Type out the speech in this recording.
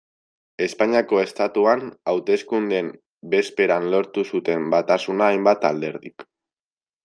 Espainiako Estatuan hauteskundeen bezperan lortu zuten batasuna hainbat alderdik.